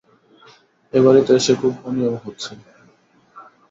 এ-বাড়িতে এসে খুব অনিয়ম হচ্ছে।